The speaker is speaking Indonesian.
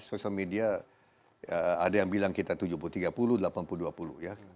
sosial media ada yang bilang kita tujuh puluh tiga puluh delapan puluh dua puluh ya